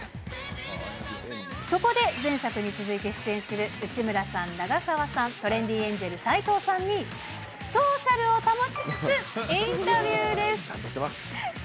そこで前作に続いて出演する内村さん、長澤さん、トレンディエンジェル・斎藤さんに、ソーシャルを保ちつつインタビューです。